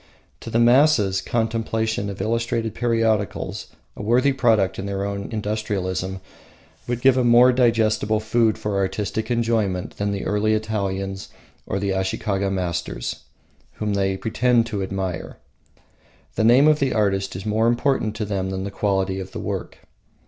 To the masses, contemplation of illustrated periodicals, the worthy product of their own industrialism, would give more digestible food for artistic enjoyment than the early Italians or the Ashikaga masters, whom they pretend to admire. The name of the artist is more important to them than the quality of the work.